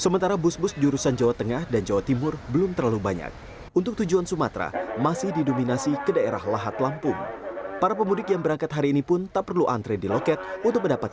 bandara soekarno hatta menetapkan cuti bersama timur yang sudah berpengalaman untuk mengambil cuti tambahan